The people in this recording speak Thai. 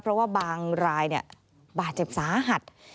เพราะว่าบางรายบาดเจ็บสาหัส